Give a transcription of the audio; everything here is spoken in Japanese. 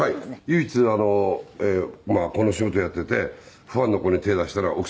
唯一この仕事をやっててファンの子に手出したのは奥さんだけです。